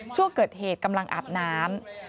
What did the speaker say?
ช่วงเกิดเหตุกำลังอาบน้ำ